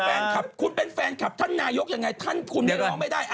แฟนขับคุณเป็นแฟนขับท่านนายกอย่างไงดีหรือไม่ได้